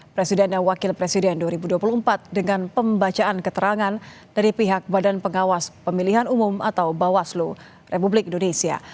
presiden dan wakil presiden dua ribu dua puluh empat dengan pembacaan keterangan dari pihak badan pengawas pemilihan umum atau bawaslu republik indonesia